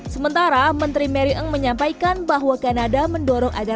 sementara menteri mary eng menyampaikan bahwa kanada mendorong agar